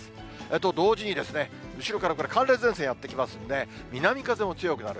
と同時に、後ろからこれ、寒冷前線やって来ますんで、南風も強くなる。